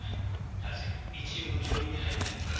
確かに一流の病院に入ってる。